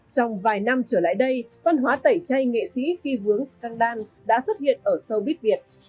trong vài năm trở lại đây văn hóa tẩy chay nghệ sĩ khi vướng scandan đã xuất hiện ở sâu bít việt